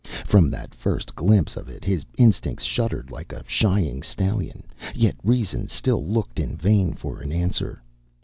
From that first glimpse of it his instincts shuddered like a shying stallion, yet reason still looked in vain for an answer.